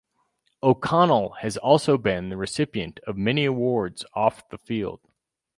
O'Connell has also been the recipient of many awards off the field.